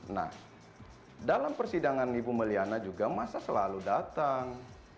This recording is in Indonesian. nah dalam persidangan ibu may liana juga massa selalu datang